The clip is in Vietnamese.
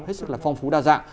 hết sức là phong phú đa dạng